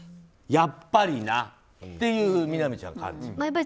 やっぱりなっていうみなみちゃん、感じ。